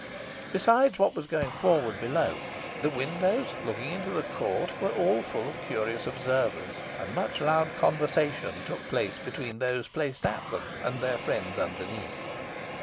Besides what was going forward below, the windows looking into the court were all full of curious observers, and much loud conversation took place between those placed at them and their friends underneath.